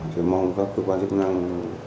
chỉ mong các cơ quan chức năng